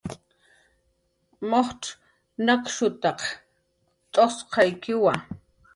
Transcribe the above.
Mujcx nakshutaq tz'usqaykiwa